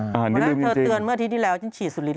เจ้าเชื้อเตือนเมื่อที่ที่แล้วก็ฉีดสุดลิศเลย